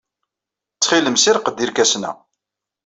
Ttxil-m, ssirreq-d irkasen-a.